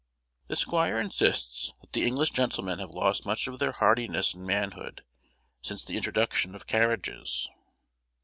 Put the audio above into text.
The squire insists that the English gentlemen have lost much of their hardiness and manhood since the introduction of carriages.